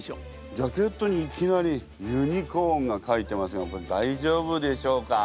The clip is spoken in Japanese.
ジャケットにいきなりユニコーンが描いてますがこれ大丈夫でしょうか。